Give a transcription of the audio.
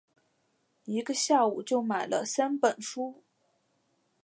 一个下午就买了三本书